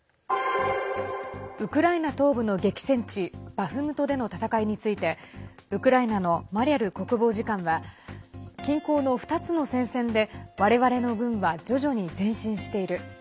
ウクライナ東部の激戦地バフムトでの戦いについてウクライナのマリャル国防次官は近郊の２つの戦線で我々の軍は徐々に前進している。